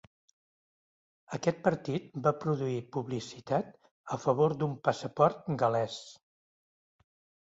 Aquest partit va produir publicitat a favor d'un passaport gal·lès.